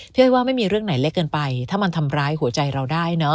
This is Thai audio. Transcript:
อ้อยว่าไม่มีเรื่องไหนเล็กเกินไปถ้ามันทำร้ายหัวใจเราได้เนอะ